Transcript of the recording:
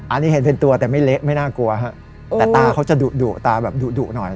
อันนี้เห็นเป็นตัวแต่ไม่เละไม่น่ากลัวฮะแต่ตาเขาจะดุดุตาแบบดุดุหน่อย